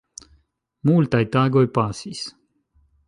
Multaj tagoj pasis.